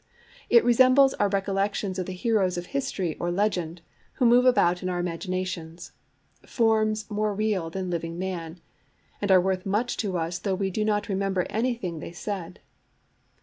It resembles our recollections of the heroes of history or legend, who move about in our imaginations, "forms more real than living man," and are worth much to us though we do not remember anything they said.